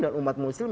dan umat muslim